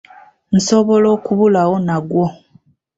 Nsobola okubulawo nagwo.